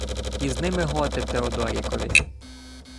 — Із ними готи Теодорікові.